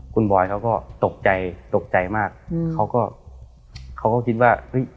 คุณบอยเขาก็ตกใจตกใจมากอืมเขาก็เขาก็คิดว่าเฮ้ย